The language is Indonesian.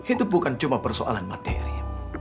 itu bukan cuma persoalan materi